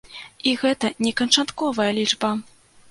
І гэта не канчатковая лічба.